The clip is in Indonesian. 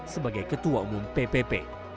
sebagai ketua umum ppp